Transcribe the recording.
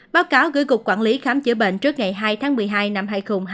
báo cáo gửi cục quản lý khám chữa bệnh trước ngày hai tháng một mươi hai năm hai nghìn hai mươi